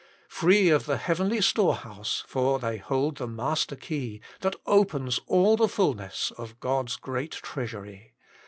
Free of the heavenly storehouse I For they hold the master key That opens all the fulness Of God s great treasury.